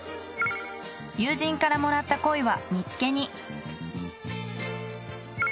友人からもらった鯉は煮付けに。